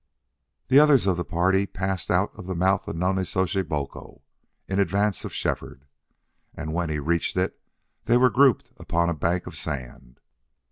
The others of the party passed out of the mouth of Nonnezoshe Boco in advance of Shefford, and when he reached it they were grouped upon a bank of sand.